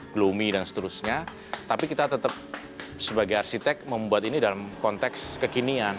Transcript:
gloomy dan seterusnya tapi kita tetap sebagai arsitek membuat ini dalam konteks kekinian